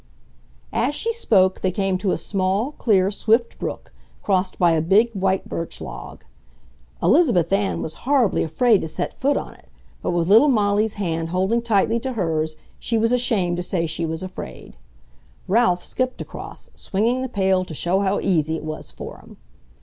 As she spoke they came to a small, clear, swift brook, crossed by a big white birch log. Elizabeth Ann was horribly afraid to set foot on it, but with little Molly's hand holding tightly to hers she was ashamed to say she was afraid. Ralph skipped across, swinging the pail to show how easy it was for him.